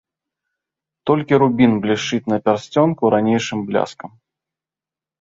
Толькі рубін блішчыць на пярсцёнку ранейшым бляскам.